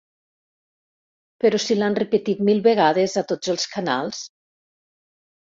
Però si l'han repetit mil vegades a tots els canals!